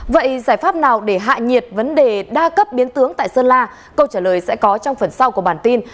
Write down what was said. vậy giải pháp nào để hạ nhiệt vấn đề đa cấp biến tướng tại sơn la câu trả lời sẽ có trong phần sau của bản tin